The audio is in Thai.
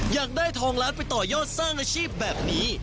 อยากได้ทองล้านไปต่อยอดสร้างอาชีพแบบนี้